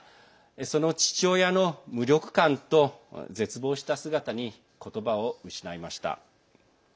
その父親の無力感と絶望した姿に言葉を失いました。